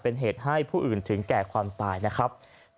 เป็นเหตุให้ผู้อื่นถึงแก่ความตายนะครับ